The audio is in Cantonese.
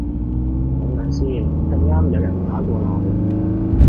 等等先，咁啱有人打過來